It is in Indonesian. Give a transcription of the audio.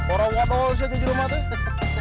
orang orang di mana itu